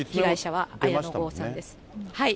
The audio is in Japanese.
はい。